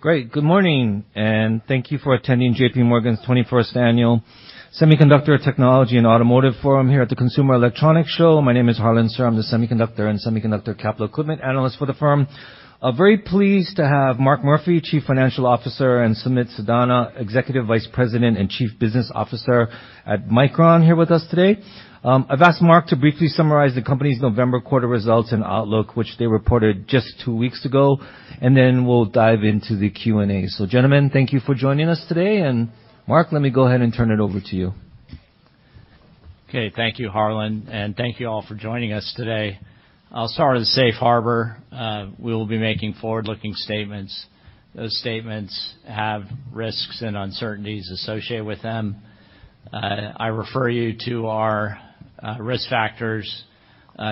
Great. Good morning, thank you for attending JPMorgan's 21st Annual Semiconductor Technology and Automotive Forum here at the Consumer Electronics Show. My name is Harlan Sur, I'm the Semiconductor and Semiconductor Capital Equipment Analyst for the firm. I'm very pleased to have Mark Murphy, Chief Financial Officer, and Sumit Sadana, Executive Vice President and Chief Business Officer at Micron here with us today. I've asked Mark to briefly summarize the company's November quarter results and outlook, which they reported just two weeks ago, then we'll dive into the Q&A. Gentlemen, thank you for joining us today. Mark, let me go ahead and turn it over to you. Okay. Thank you, Harlan. Thank you all for joining us today. I'll start with safe harbor. We will be making forward-looking statements. Those statements have risks and uncertainties associated with them. I refer you to our risk factors,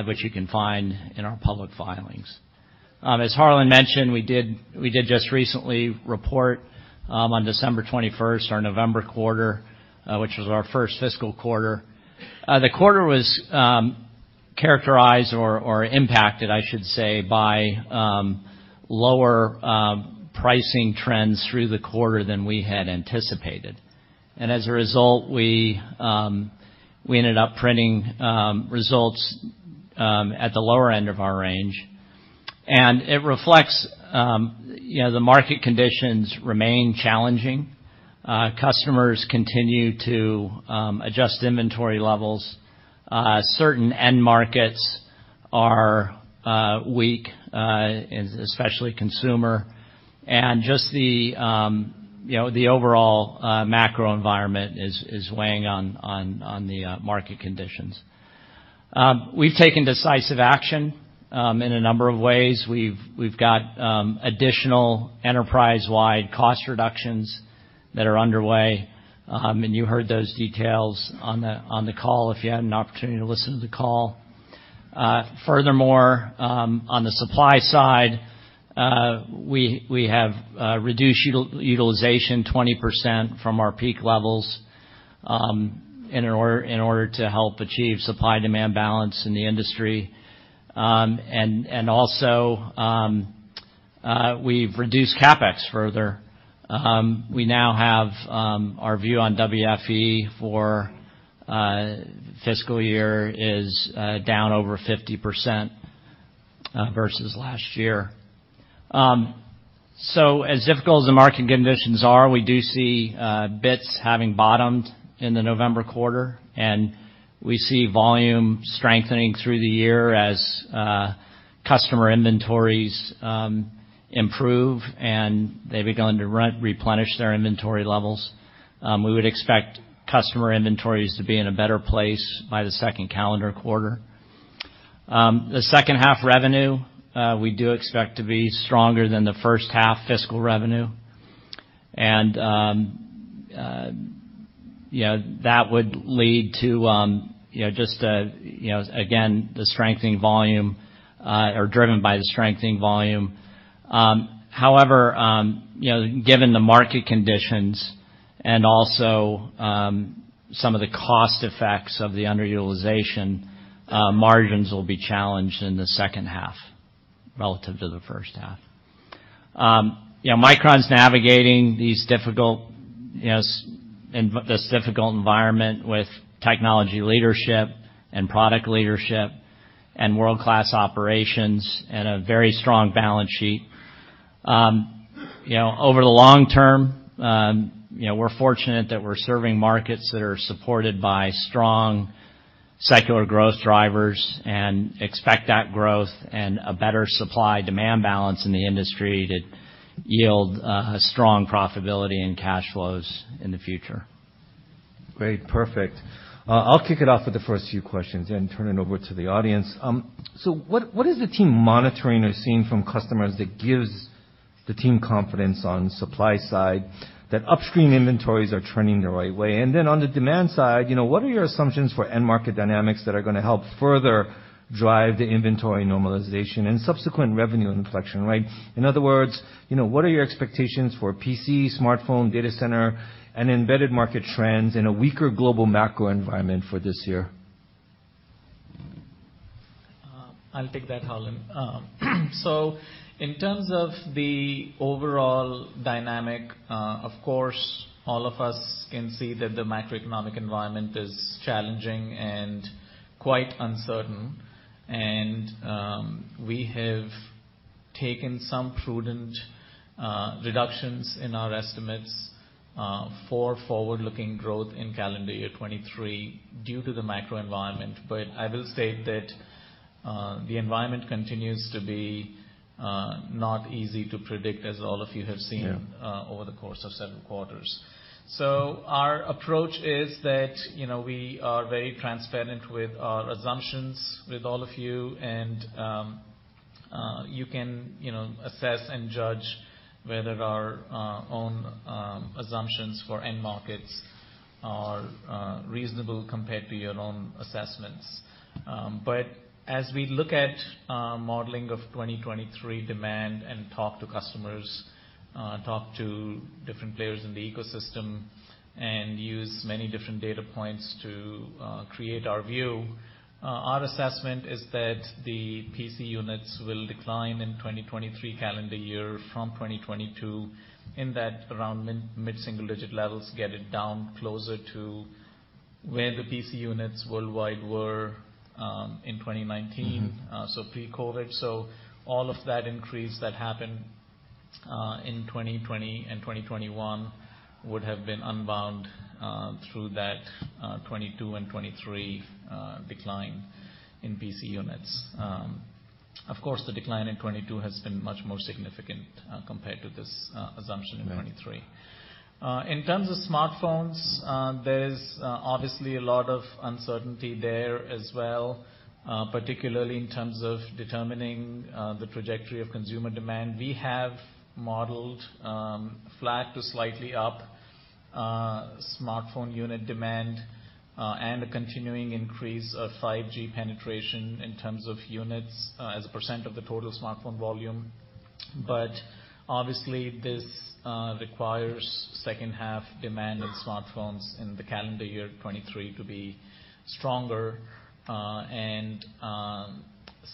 which you can find in our public filings. As Harlan mentioned, we did just recently report on December 21st, our November quarter, which was our first fiscal quarter. The quarter was characterized or impacted, I should say, by lower pricing trends through the quarter than we had anticipated. As a result, we ended up printing results at the lower end of our range. It reflects, you know, the market conditions remain challenging. Customers continue to adjust inventory levels. Certain end markets are weak, especially consumer. Just the, you know, the overall macro environment is weighing on the market conditions. We've taken decisive action in a number of ways. We've got additional enterprise-wide cost reductions that are underway, and you heard those details on the call if you had an opportunity to listen to the call. Furthermore, on the supply side, we have reduced utilization 20% from our peak levels in order to help achieve supply-demand balance in the industry. Also, we've reduced CapEx further. We now have our view on WFE for fiscal year is down over 50% versus last year. As difficult as the market conditions are, we do see bits having bottomed in the November quarter, and we see volume strengthening through the year as customer inventories improve, and they begin to re-replenish their inventory levels. We would expect customer inventories to be in a better place by the second calendar quarter. The second half revenue, we do expect to be stronger than the first half fiscal revenue. you know, that would lead to, you know, just, you know, again, the strengthening volume, or driven by the strengthening volume. However, you know, given the market conditions and also, some of the cost effects of the underutilization, margins will be challenged in the second half relative to the first half. you know, Micron's navigating these difficult, you know, this difficult environment with technology leadership and product leadership and world-class operations and a very strong balance sheet. you know, over the long term, you know, we're fortunate that we're serving markets that are supported by strong secular growth drivers, and expect that growth and a better supply-demand balance in the industry to yield a strong profitability and cash flows in the future. Great. Perfect. I'll kick it off with the first few questions and turn it over to the audience. What is the team monitoring or seeing from customers that gives the team confidence on supply side that upstream inventories are trending the right way? On the demand side, you know, what are your assumptions for end market dynamics that are gonna help further drive the inventory normalization and subsequent revenue inflection, right. In other words, you know, what are your expectations for PC, smartphone, data center, and embedded market trends in a weaker global macro environment for this year? I'll take that, Harlan. In terms of the overall dynamic, of course, all of us can see that the macroeconomic environment is challenging and quite uncertain. We have taken some prudent reductions in our estimates for forward-looking growth in calendar year 2023 due to the macro environment. I will state that the environment continues to be not easy to predict, as all of you have seen. Yeah... over the course of several quarters. Our approach is that, you know, we are very transparent with our assumptions with all of you and, you can, you know, assess and judge whether our own assumptions for end markets are reasonable compared to your own assessments. As we look at modeling of 2023 demand and talk to customers, talk to different players in the ecosystem and use many different data points to create our view. Our assessment is that the PC units will decline in 2023 calendar year from 2022 in that around mid-single digit levels, get it down closer to where the PC units worldwide were in 2019. Mm-hmm. Pre-COVID. All of that increase that happened in 2020 and 2021 would have been unbound through that 2022 and 2023 decline in PC units. Of course, the decline in 2022 has been much more significant compared to this assumption in 2023. Right. In terms of smartphones, there's obviously a lot of uncertainty there as well, particularly in terms of determining the trajectory of consumer demand. We have modeled flat to slightly up smartphone unit demand and a continuing increase of 5G penetration in terms of units as a percent of the total smartphone volume. Obviously, this requires second half demand in smartphones in the calendar year 2023 to be stronger and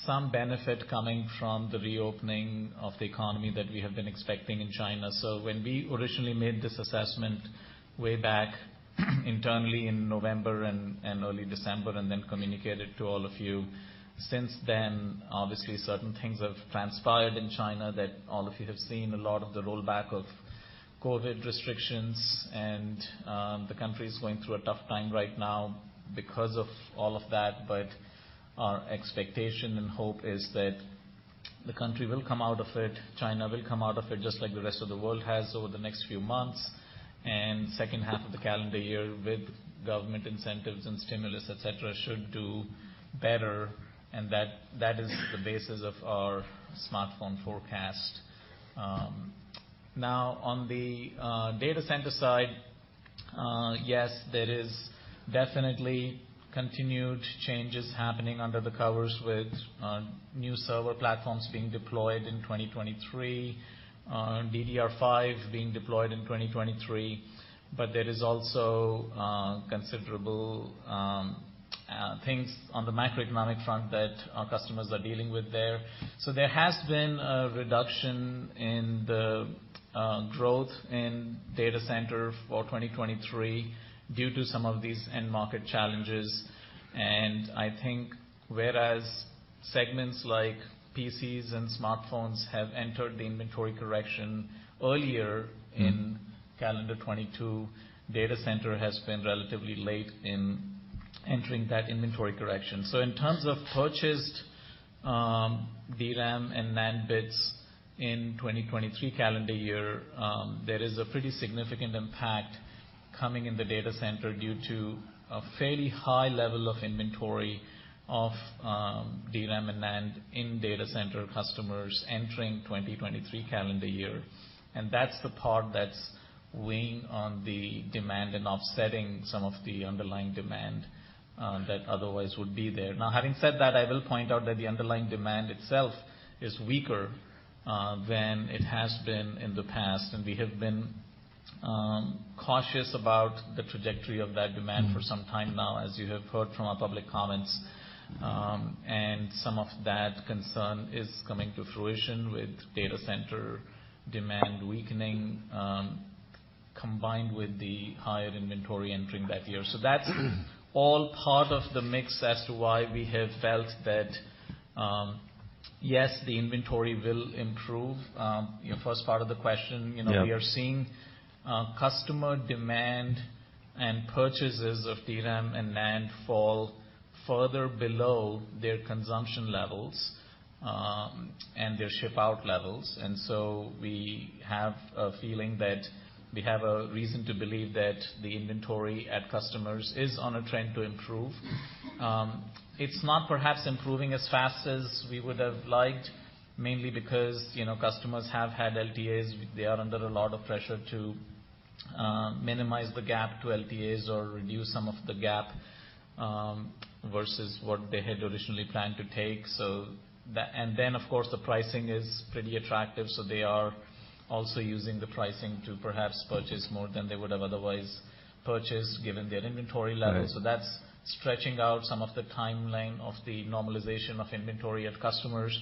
some benefit coming from the reopening of the economy that we have been expecting in China. When we originally made this assessment way back internally in November and early December and then communicated to all of you, since then, obviously certain things have transpired in China that all of you have seen, a lot of the rollback of COVID restrictions and the country is going through a tough time right now because of all of that. Our expectation and hope is that the country will come out of it, China will come out of it, just like the rest of the world has over the next few months. Second half of the calendar year with government incentives and stimulus, et cetera, should do better, and that is the basis of our smartphone forecast. Now on the data center side, yes, there is definitely continued changes happening under the covers with new server platforms being deployed in 2023, DDR5 being deployed in 2023. There is also considerable things on the macroeconomic front that our customers are dealing with there. There has been a reduction in the growth in data center for 2023 due to some of these end market challenges. I think whereas segments like PCs and smartphones have entered the inventory correction earlier in calendar 2022, data center has been relatively late in entering that inventory correction. In terms of purchased, DRAM and NAND bits in 2023 calendar year, there is a pretty significant impact coming in the data center due to a fairly high level of inventory of, DRAM and NAND in data center customers entering 2023 calendar year. That's the part that's weighing on the demand and offsetting some of the underlying demand, that otherwise would be there. Having said that, I will point out that the underlying demand itself is weaker, than it has been in the past, and we have been, cautious about the trajectory of that demand for some time now, as you have heard from our public comments. Some of that concern is coming to fruition with data center demand weakening, combined with the higher inventory entering that year. That's all part of the mix as to why we have felt that, yes, the inventory will improve. Yeah. We are seeing customer demand and purchases of DRAM and NAND fall further below their consumption levels and their ship out levels. We have a feeling that we have a reason to believe that the inventory at customers is on a trend to improve. It's not perhaps improving as fast as we would have liked, mainly because, you know, customers have had LTAs. They are under a lot of pressure to minimize the gap to LTAs or reduce some of the gap versus what they had originally planned to take. Of course, the pricing is pretty attractive, so they are also using the pricing to perhaps purchase more than they would have otherwise purchased given their inventory levels. Right. That's stretching out some of the timeline of the normalization of inventory at customers.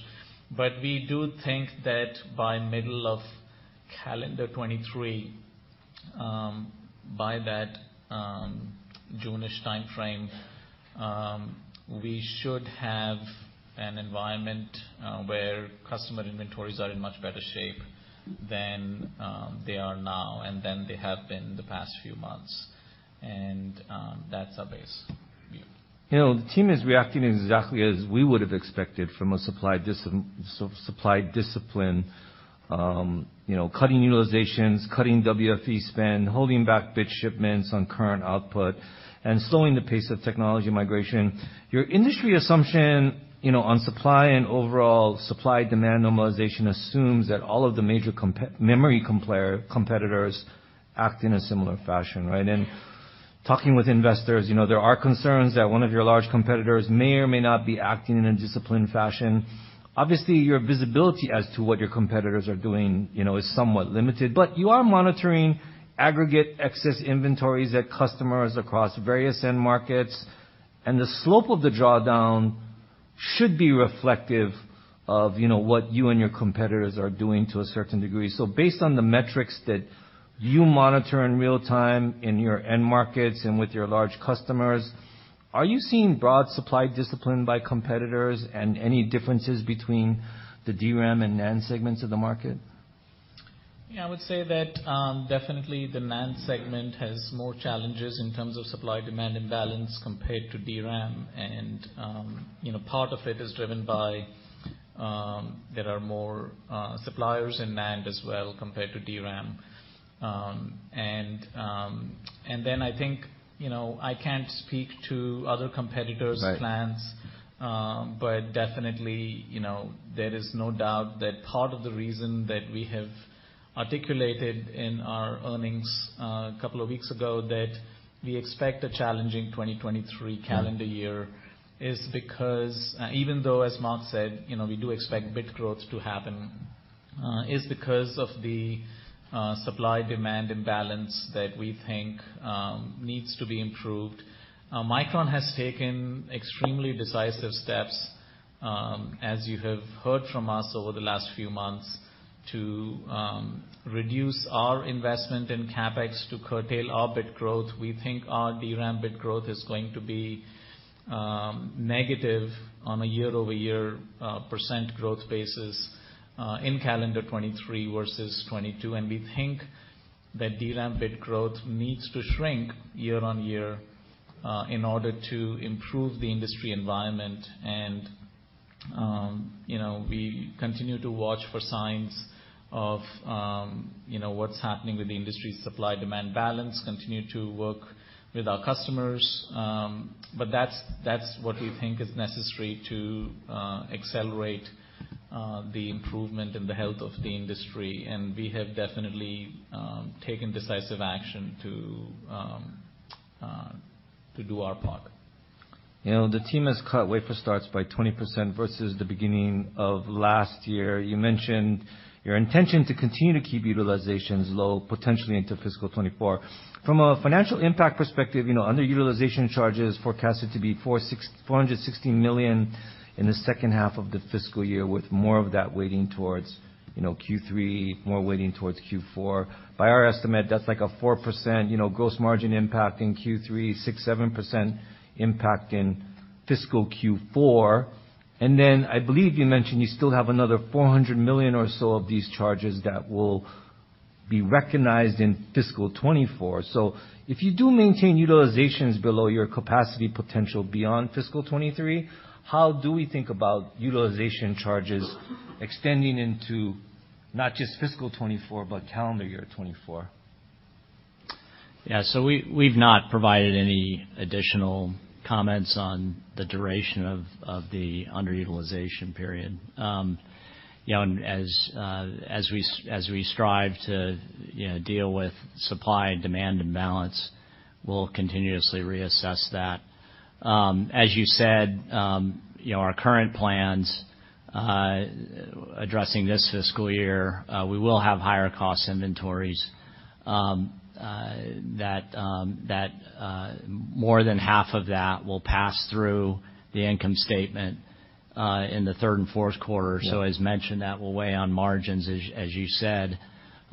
We do think that by middle of calendar 2023, by that June-ish timeframe, we should have an environment where customer inventories are in much better shape than they are now and than they have been the past few months. That's our base view. You know, the team is reacting exactly as we would have expected from a supply discipline, you know, cutting utilizations, cutting WFE spend, holding back bit shipments on current output, and slowing the pace of technology migration. Your industry assumption, you know, on supply and overall supply-demand normalization assumes that all of the major memory competitors act in a similar fashion, right? Talking with investors, you know, there are concerns that one of your large competitors may or may not be acting in a disciplined fashion. Obviously, your visibility as to what your competitors are doing, you know, is somewhat limited, but you are monitoring aggregate excess inventories at customers across various end markets, and the slope of the drawdown should be reflective of, you know, what you and your competitors are doing to a certain degree. Based on the metrics that you monitor in real time in your end markets and with your large customers, are you seeing broad supply discipline by competitors and any differences between the DRAM and NAND segments of the market? Yeah, I would say that, definitely the NAND segment has more challenges in terms of supply-demand imbalance compared to DRAM. You know, part of it is driven by, there are more, suppliers in NAND as well compared to DRAM. I think, you know, I can't speak to other competitors. Right... plans, but definitely, you know, there is no doubt that part of the reason that we have articulated in our earnings a couple of weeks ago that we expect a challenging 2023 calendar year is because, even though, as Mark said, you know, we do expect bit growth to happen, is because of the supply-demand imbalance that we think needs to be improved. Micron has taken extremely decisive steps, as you have heard from us over the last few months to reduce our investment in CapEx to curtail our bit growth. We think our DRAM bit growth is going to be negative on a year-over-year percent growth basis in calendar 2023 versus 2022. We think that DRAM bit growth needs to shrink year on year in order to improve the industry environment. You know, we continue to watch for signs of, you know, what's happening with the industry supply-demand balance, continue to work with our customers. That's what we think is necessary to accelerate the improvement in the health of the industry, and we have definitely taken decisive action to do our part. You know, the team has cut wafer starts by 20% versus the beginning of last year. You mentioned your intention to continue to keep utilizations low potentially into FY 2024. From a financial impact perspective, you know, underutilization charges forecasted to be $460 million in the second half of the fiscal year, with more of that weighting towards, you know, Q3, more weighting towards Q4. By our estimate, that's like a 4%, you know, gross margin impact in Q3, 6%, 7% impact in fiscal Q4. I believe you mentioned you still have another $400 million or so of these charges that will be recognized in FY 2024. If you do maintain utilizations below your capacity potential beyond FY 2023, how do we think about utilization charges extending into not just FY 2024, but calendar year 2024? We've not provided any additional comments on the duration of the underutilization period. As we strive to, you know, deal with supply and demand imbalance, we'll continuously reassess that. As you said, you know, our current plans addressing this fiscal year, we will have higher cost inventories that more than half of that will pass through the income statement in the third and fourth quarter. Yeah. As mentioned, that will weigh on margins, as you said,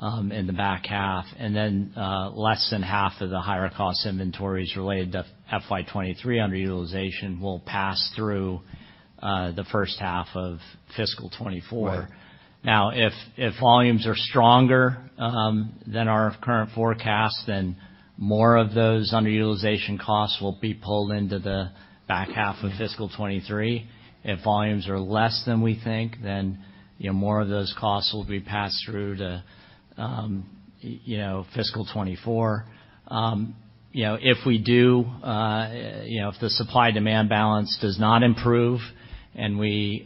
in the back half. Less than half of the higher cost inventories related to FY 2023 underutilization will pass through, the first half of fiscal 2024. Right. If volumes are stronger than our current forecast, then more of those underutilization costs will be pulled into the back half of fiscal 2023. If volumes are less than we think, then, you know, more of those costs will be passed through to, you know, fiscal 2024. You know, if we do, you know, if the supply-demand balance does not improve and we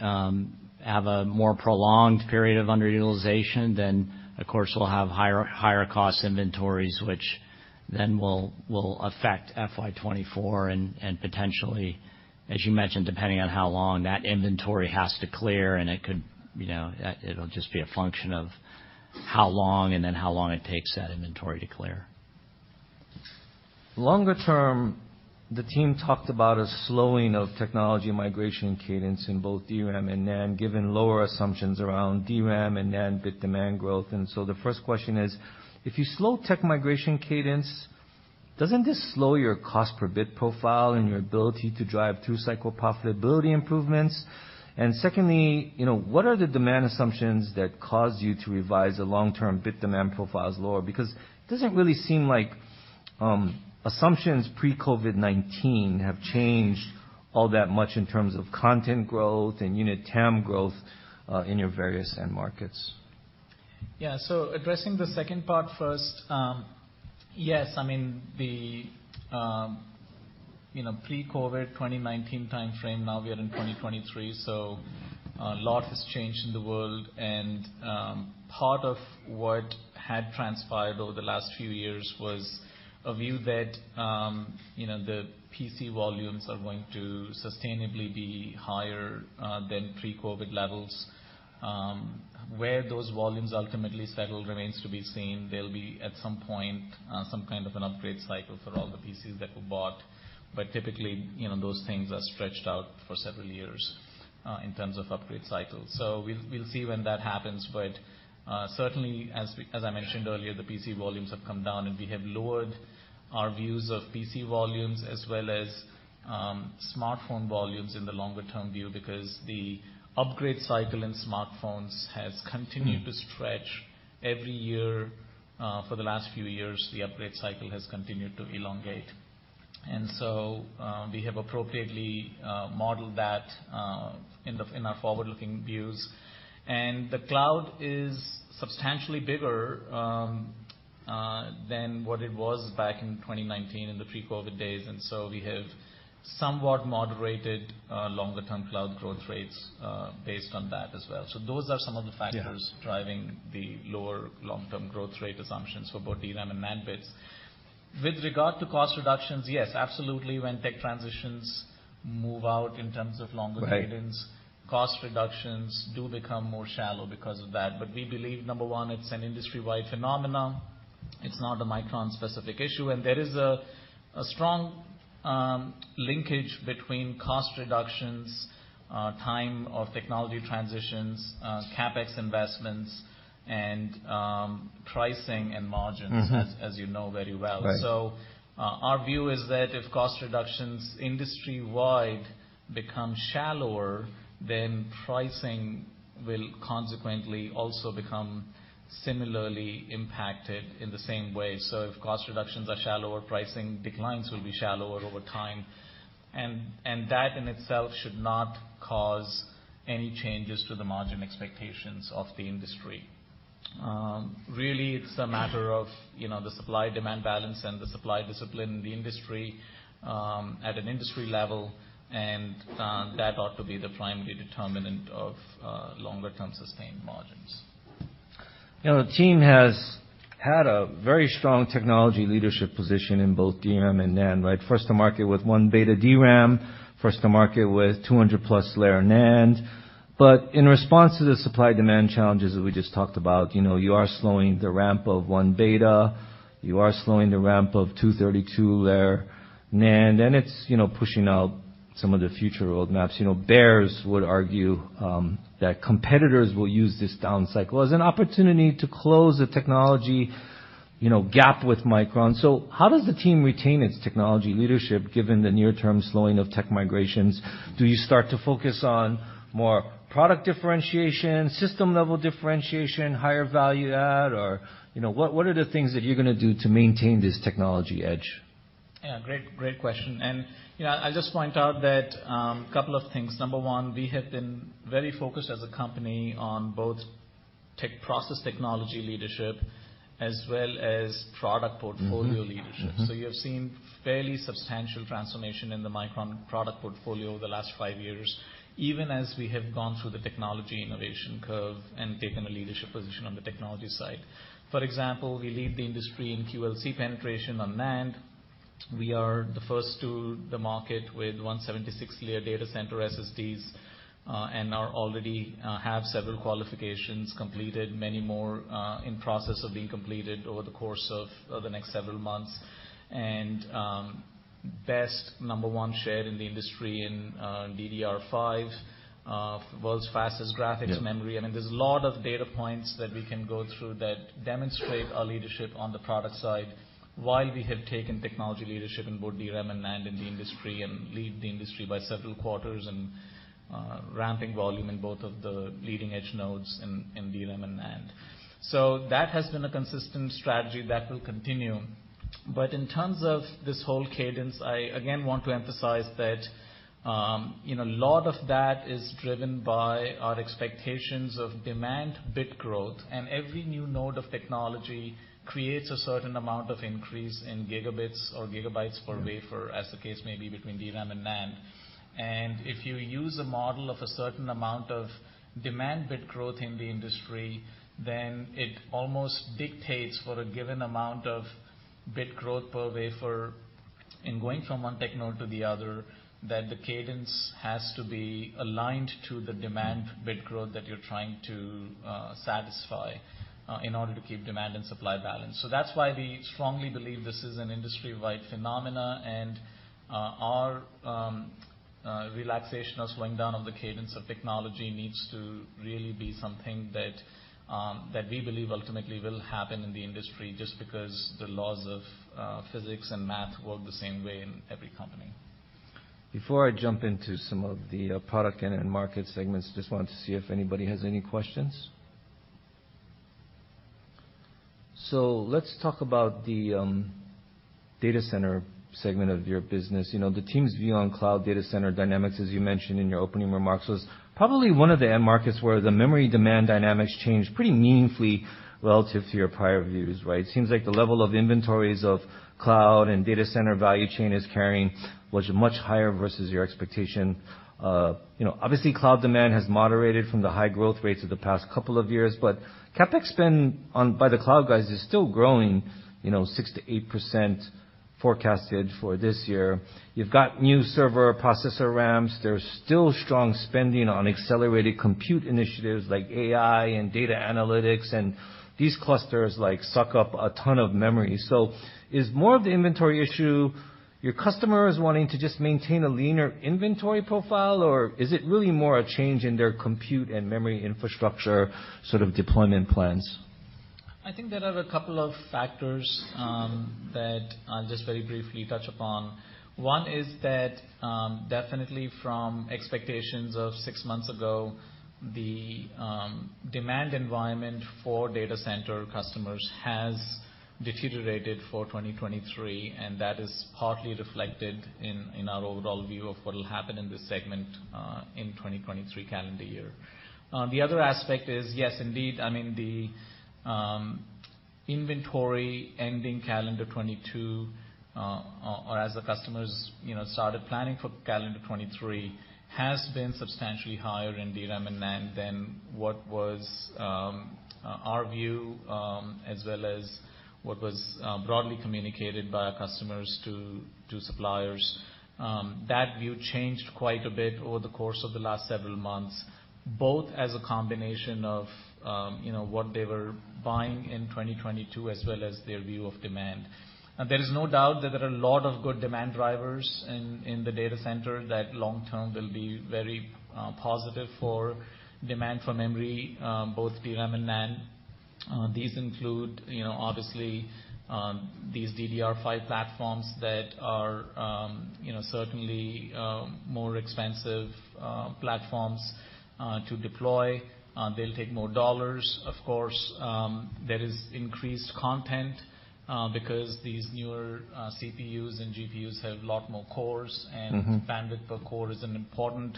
have a more prolonged period of underutilization, then of course we'll have higher cost inventories, which then will affect FY 2024 and potentially, as you mentioned, depending on how long that inventory has to clear, and it could, you know, it'll just be a function of how long and then how long it takes that inventory to clear. Longer term, the team talked about a slowing of technology migration cadence in both DRAM and NAND, given lower assumptions around DRAM and NAND bit demand growth. The first question is, if you slow tech migration cadence, doesn't this slow your cost per bit profile and your ability to drive through cycle profitability improvements? Secondly, you know, what are the demand assumptions that cause you to revise the long-term bit demand profiles lower? It doesn't really seem like assumptions pre-COVID-19 have changed all that much in terms of content growth and unit TAM growth in your various end markets. Yeah. Addressing the second part first, yes, I mean, the, You know, pre-COVID, 2019 timeframe, now we are in 2023. A lot has changed in the world, and, part of what had transpired over the last few years was a view that, you know, the PC volumes are going to sustainably be higher than pre-COVID levels. Where those volumes ultimately settle remains to be seen. There'll be, at some point, some kind of an upgrade cycle for all the PCs that were bought, but typically, you know, those things are stretched out for several years in terms of upgrade cycles. We'll see when that happens. Certainly as I mentioned earlier, the PC volumes have come down, and we have lowered our views of PC volumes as well as smartphone volumes in the longer-term view because the upgrade cycle in smartphones has continued to stretch every year. For the last few years, the upgrade cycle has continued to elongate. We have appropriately modeled that in our forward-looking views. The cloud is substantially bigger than what it was back in 2019 in the pre-COVID days. We have somewhat moderated longer-term cloud growth rates based on that as well. Those are some of the factors. Yeah. -driving the lower long-term growth rate assumptions for both DRAM and NAND bits. With regard to cost reductions, yes, absolutely, when tech transitions move out in terms of longer cadences- Right. cost reductions do become more shallow because of that. We believe, number one, it's an industry-wide phenomena. It's not a Micron-specific issue. There is a strong linkage between cost reductions, time of technology transitions, CapEx investments and pricing and margins- Mm-hmm. as you know very well. Right. Our view is that if cost reductions industry-wide become shallower, then pricing will consequently also become similarly impacted in the same way. If cost reductions are shallower, pricing declines will be shallower over time. That in itself should not cause any changes to the margin expectations of the industry. Really, it's a matter of, you know, the supply-demand balance and the supply discipline in the industry, at an industry level, and that ought to be the primary determinant of longer-term sustained margins. You know, the team has had a very strong technology leadership position in both DRAM and NAND, right? First to market with 1-Beta DRAM, first to market with 200+ layer NAND. In response to the supply-demand challenges that we just talked about, you know, you are slowing the ramp of 1-Beta, you are slowing the ramp of 232-layer NAND, and it's, you know, pushing out some of the future roadmaps. You know, bears would argue that competitors will use this down cycle as an opportunity to close the technology, you know, gap with Micron. How does the team retain its technology leadership given the near-term slowing of tech migrations? Do you start to focus on more product differentiation, system-level differentiation, higher value add, or, you know, what are the things that you're gonna do to maintain this technology edge? Yeah, great question. You know, I'll just point out that a couple of things. Number one, we have been very focused as a company on both process technology leadership as well as product portfolio leadership. Mm-hmm. Mm-hmm. You have seen fairly substantial transformation in the Micron product portfolio over the last five years, even as we have gone through the technology innovation curve and taken a leadership position on the technology side. For example, we lead the industry in QLC penetration on NAND. We are the first to the market with 176-layer data center SSDs, and are already have several qualifications completed, many more in process of being completed over the course of the next several months. Best number one share in the industry in DDR5, world's fastest graphics memory. Yeah. I mean, there's a lot of data points that we can go through that demonstrate our leadership on the product side while we have taken technology leadership in both DRAM and NAND in the industry and lead the industry by several quarters and ramping volume in both of the leading-edge nodes in DRAM and NAND. That has been a consistent strategy that will continue. In terms of this whole cadence, I again want to emphasize that, you know, a lot of that is driven by our expectations of demand bit growth, and every new node of technology creates a certain amount of increase in gigabits or gigabytes per wafer, as the case may be between DRAM and NAND. If you use a model of a certain amount of demand bit growth in the industry, it almost dictates for a given amount of bit growth per wafer in going from one tech node to the other, that the cadence has to be aligned to the demand bit growth that you're trying to satisfy in order to keep demand and supply balanced. That's why we strongly believe this is an industry-wide phenomena and our relaxation or slowing down of the cadence of technology needs to really be something that we believe ultimately will happen in the industry just because the laws of physics and math work the same way in every company. Before I jump into some of the product and end market segments, just wanted to see if anybody has any questions. Let's talk about the data center segment of your business. You know, the team's view on cloud data center dynamics, as you mentioned in your opening remarks, was probably one of the end markets where the memory demand dynamics changed pretty meaningfully relative to your prior views, right? Seems like the level of inventories of cloud and data center value chain is carrying was much higher versus your expectation. You know, obviously, cloud demand has moderated from the high growth rates of the past couple of years, but CapEx spend on by the cloud guys is still growing, you know, 6%-8% forecasted for this year. You've got new server processor RAM. There's still strong spending on accelerated compute initiatives like AI and data analytics, and these clusters, like, suck up a ton of memory. Is more of the inventory issue your customers wanting to just maintain a leaner inventory profile, or is it really more a change in their compute and memory infrastructure sort of deployment plans? I think there are a couple of factors, that I'll just very briefly touch upon. One is that, definitely from expectations of six months ago, the demand environment for data center customers has deteriorated for 2023, and that is partly reflected in our overall view of what'll happen in this segment in 2023 calendar year. The other aspect is, yes, indeed, I mean, the inventory ending calendar 2022, or as the customers, you know, started planning for calendar 2023, has been substantially higher in DRAM and NAND than what was our view, as well as what was broadly communicated by our customers to suppliers. That view changed quite a bit over the course of the last several months, both as a combination of, you know, what they were buying in 2022 as well as their view of demand. There is no doubt that there are a lot of good demand drivers in the data center that long-term will be very positive for demand for memory, both DRAM and NAND. These include, you know, obviously, these DDR5 platforms that are, you know, certainly more expensive platforms to deploy. They'll take more dollars. Of course, there is increased content because these newer CPUs and GPUs have a lot more cores. Mm-hmm. Bandwidth per core is an important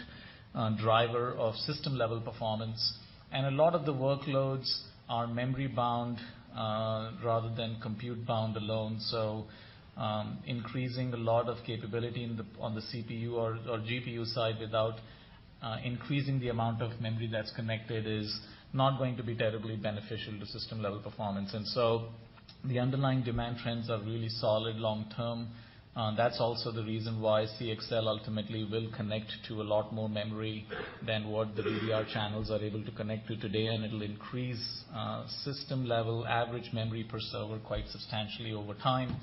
driver of system-level performance. A lot of the workloads are memory bound rather than compute bound alone. Increasing a lot of capability on the CPU or GPU side without increasing the amount of memory that's connected is not going to be terribly beneficial to system-level performance. The underlying demand trends are really solid long term. That's also the reason why CXL ultimately will connect to a lot more memory than what the DDR channels are able to connect to today, and it'll increase system-level average memory per server quite substantially over time.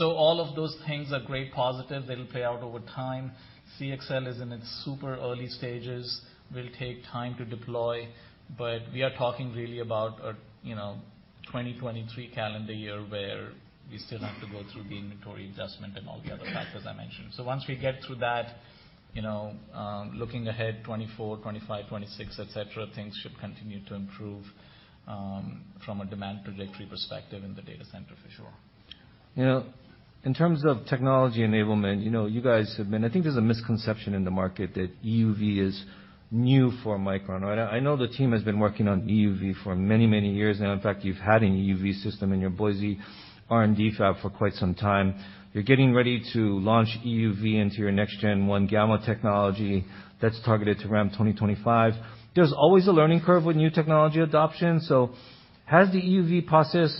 All of those things are great positive that'll play out over time. CXL is in its super early stages, will take time to deploy. We are talking really about a, you know, 2023 calendar year where we still have to go through the inventory adjustment and all the other factors I mentioned. Once we get through that, you know, looking ahead, 2024, 2025, 2026, et cetera, things should continue to improve, from a demand trajectory perspective in the data center for sure. You know, in terms of technology enablement, you know, I think there's a misconception in the market that EUV is new for Micron, right? I know the team has been working on EUV for many, many years now. In fact, you've had an EUV system in your Boise R&D fab for quite some time. You're getting ready to launch EUV into your next gen 1-Gamma technology that's targeted to RAM 2025. There's always a learning curve with new technology adoption. Has the EUV process,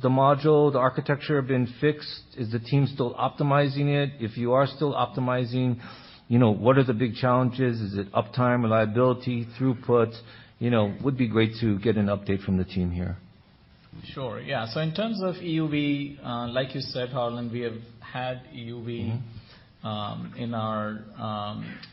the module, the architecture been fixed? Is the team still optimizing it? If you are still optimizing, you know, what are the big challenges? Is it uptime, reliability, throughput? You know, would be great to get an update from the team here. Sure. Yeah. In terms of EUV, like you said, Harlan, we have had EUV... Mm-hmm. In our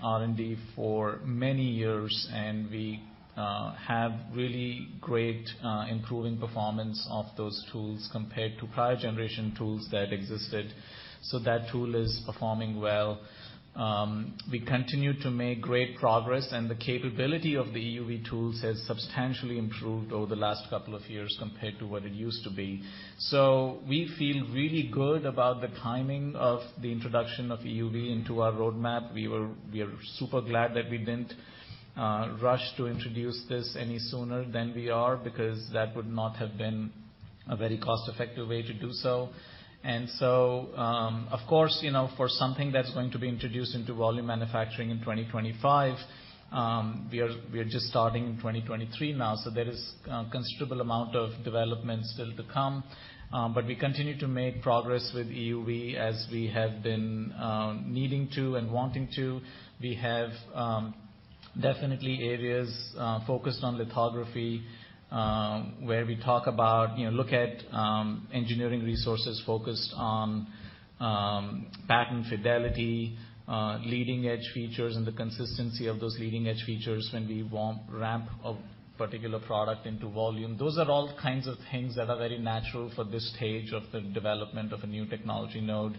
R&D for many years, and we have really great improving performance of those tools compared to prior generation tools that existed. That tool is performing well. We continue to make great progress, and the capability of the EUV tools has substantially improved over the last couple of years compared to what it used to be. We feel really good about the timing of the introduction of EUV into our roadmap. We are super glad that we didn't rush to introduce this any sooner than we are, because that would not have been a very cost-effective way to do so. Of course, you know, for something that's going to be introduced into volume manufacturing in 2025, we are just starting in 2023 now, so there is a considerable amount of development still to come. We continue to make progress with EUV as we have been needing to and wanting to. We have definitely areas focused on lithography, where we talk about, you know, look at engineering resources focused on pattern fidelity, leading edge features and the consistency of those leading edge features when we won't ramp a particular product into volume. Those are all kinds of things that are very natural for this stage of the development of a new technology node.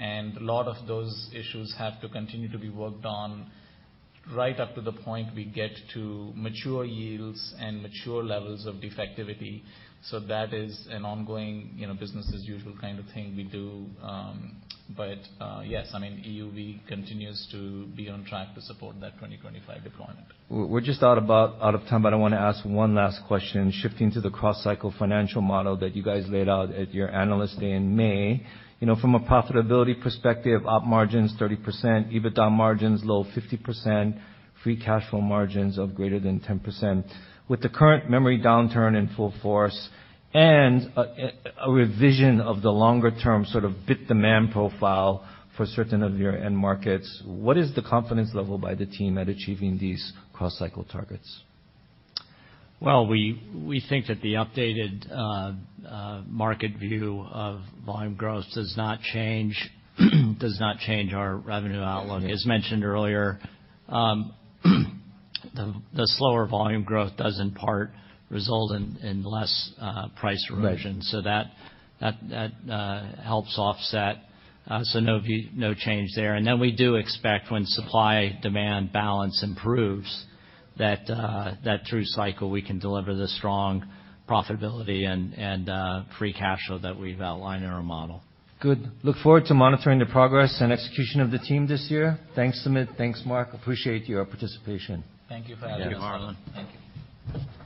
A lot of those issues have to continue to be worked on right up to the point we get to mature yields and mature levels of defectivity. That is an ongoing, you know, business as usual kind of thing we do. Yes, I mean, EUV continues to be on track to support that 2025 deployment. We're just out of time, but I wanna ask one last question, shifting to the cross-cycle financial model that you guys laid out at your Analyst Day in May. You know, from a profitability perspective, op margins, 30%, EBITDA margins, low 50%, free cash flow margins of greater than 10%. With the current memory downturn in full force and a revision of the longer term sort of bit demand profile for certain of your end markets, what is the confidence level by the team at achieving these cross-cycle targets? We think that the updated market view of volume growth does not change our revenue outlook. As mentioned earlier, the slower volume growth does in part result in less price erosion. Right. That helps offset, so no change there. Then we do expect when supply-demand balance improves that through cycle, we can deliver the strong profitability and free cash flow that we've outlined in our model. Good. Look forward to monitoring the progress and execution of the team this year. Thanks, Sumit. Thanks, Mark. Appreciate your participation. Thank you for having me, Harlan. Yeah. Thank you.